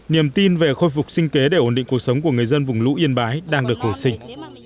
niềm tin về khôi phục sinh kế để ổn định cuộc sống của người dân vùng lũ yên bái đang được hồi sinh